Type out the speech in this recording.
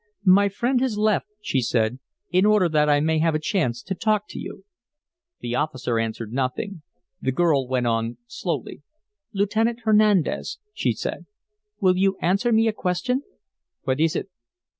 "My friend has left," she said, "in order that I may have a chance to talk to you." The officer answered nothing; the girl went on slowly. "Lieutenant Hernandez," she said "will you answer me a question?" "What is it?"